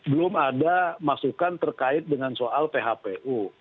belum ada masukan terkait dengan soal phpu